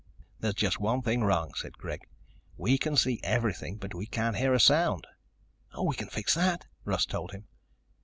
"There's just one thing wrong," said Greg. "We can see everything, but we can't hear a sound." "We can fix that," Russ told him.